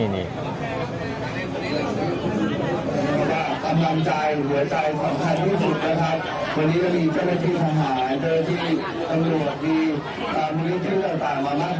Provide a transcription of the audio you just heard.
ขอบคุณครับคำดำใจหัวใจสำคัญที่สุดนะครับ